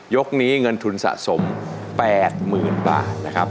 ยกนี้เงินทุนสะสม๘๐๐๐บาทนะครับ